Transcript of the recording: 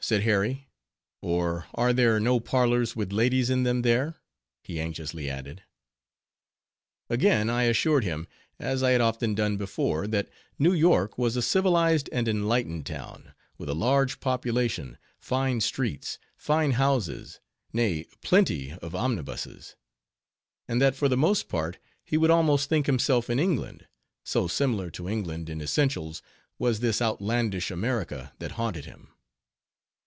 said Harry, "or are there no parlors with ladies in them, there?" he anxiously added. Again I assured him, as I had often done before, that New York was a civilized and enlightened town; with a large population, fine streets, fine houses, nay, plenty of omnibuses; and that for the most part, he would almost think himself in England; so similar to England, in essentials, was this outlandish America that haunted him.